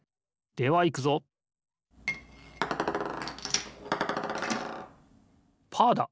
ではいくぞパーだ！